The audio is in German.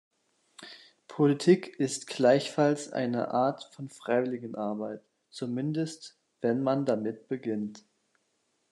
Politik ist gleichfalls eine Art von Freiwilligenarbeit, zumindest wenn man damit beginnt.